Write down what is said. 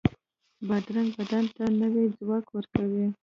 بادرنګ بدن ته نوی ځواک ورکوي.